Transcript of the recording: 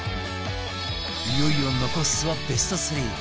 いよいよ残すはベスト３